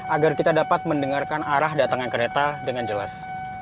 agar kita dapat mendengarkan arah datangan kereta dengan jelas